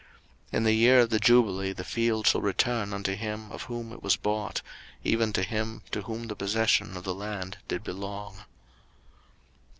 03:027:024 In the year of the jubile the field shall return unto him of whom it was bought, even to him to whom the possession of the land did belong.